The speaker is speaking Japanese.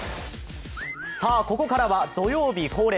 ここからは土曜日恒例。